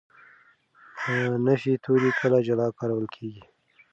نفي توري کله جلا کارول کېږي.